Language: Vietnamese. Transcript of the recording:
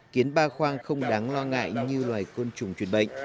kiến ba khoang không đáng lo ngại như loài côn trùng truyền bệnh